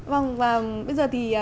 vâng và bây giờ thì